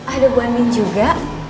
ada bu andien juga